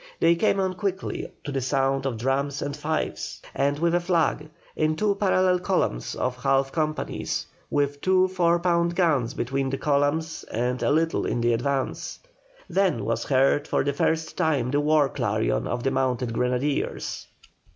They came on quickly to the sound of drums and fifes, and with a flag, in two parallel columns of half companies, with two four pound guns between the columns and a little in advance. Then was heard for the first time the war clarion of the mounted grenadiers.